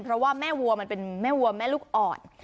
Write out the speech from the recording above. เพราะว่าแม่วัวมนเป็นแม่ลูกอ่อน